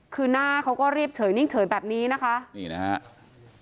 คือหน้าเขาก็เรียบเฉยนิ่งเฉยแบบนี้นะคะนี่นะครับ